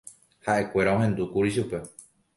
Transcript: Ha'ekuéra ohendúkuri chupe.